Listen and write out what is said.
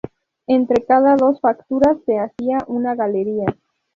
Entre cada dos fracturas se hacía una galería.